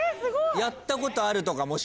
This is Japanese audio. やったことあるとか？